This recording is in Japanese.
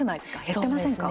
減ってませんか？